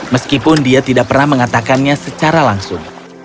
meskipun dia tidak pernah mengatakannya secara langsung